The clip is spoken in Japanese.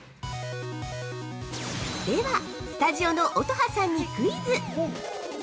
◆ではスタジオの乙葉さんにクイズ！